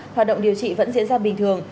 hoạt động điều trị vẫn diễn ra bình thường